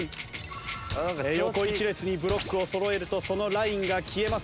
横１列にブロックをそろえるとそのラインが消えます。